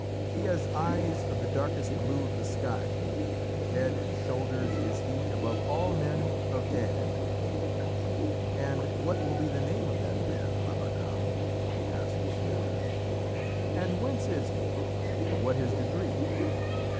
He has eyes of the darkest blue of the sky, and head and shoulders is he above all the men of Erin." "And what will be the name of that man, Lavarcam?" asked Deirdrê. "And whence is he, and what his degree?"